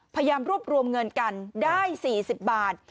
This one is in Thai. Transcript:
พยายามรวบรวมเงินกันได้๔๐บาท